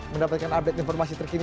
mendapatkan update informasi terkini